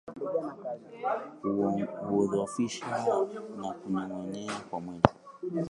Kudhoofika na kunyong'onyea kwa mwili